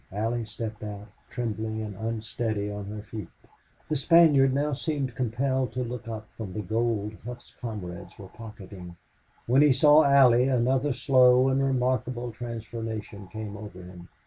Allie stepped out, trembling and unsteady on her feet. The Spaniard now seemed compelled to look up from the gold Hough's comrades were pocketing. When he saw Allie another slow and remarkable transformation came over him.